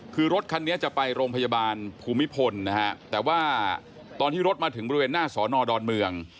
คือรถคันนี้จะไปโรงพยาบาลภูมิพลนะฮะแต่ว่าตอนที่รถมาถึงบริเวณหน้าสอนอดอนเมือง